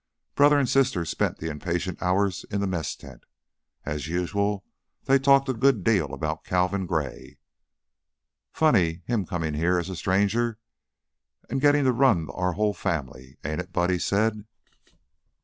Brother and sister spent the impatient hours in the mess tent. As usual, they talked a good deal about Calvin Gray. "Funny, him comin' here a stranger, an' gettin' to run our whole family, ain't it?" Buddy said.